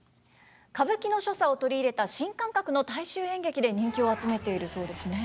歌舞伎の所作を取り入れた新感覚の大衆演劇で人気を集めているそうですね。